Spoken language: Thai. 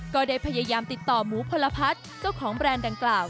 ก็ได้พยายามติดต่อหมูพลพัฒน์เจ้าของแบรนด์ดังกล่าว